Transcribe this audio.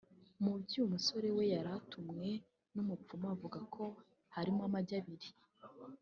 Mu byo uyu musore we yari yatumwe n’umupfumu avuga ko harimo amagi abiri